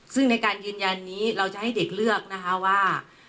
ซึ่งในการยืนยันนี้เราจะให้เด็กเลือกนะคะว่า